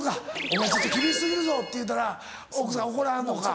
「お前ちょっと厳し過ぎるぞ」って言うたら奥さん怒らはるのか。